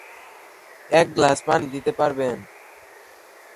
এক গ্লাস পানি দিতে পারবেন?